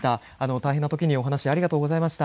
大変なときにお話、ありがとうございました。